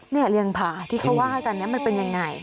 นี่คือเรียงผาที่เขาว่าตอนนี้มันเป็นอย่างไร